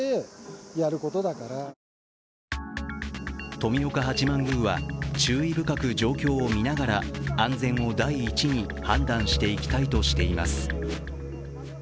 富岡八幡宮は、注意深く状況を見ながら安全を第一に判断していきたいとしています。